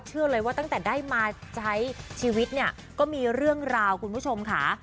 เชื่อเลยว่าตั้งแต่ได้มาใช้ชีวิตเนี่ยก็มีเรื่องราวคุณผู้ชมค่ะ